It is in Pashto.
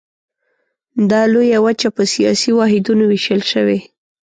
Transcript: دا لویه وچه په سیاسي واحدونو ویشل شوې.